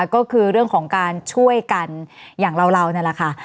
ก็คือเรื่องของการช่วยกันอย่างเรานั่นแหละค่ะ